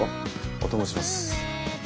お供します。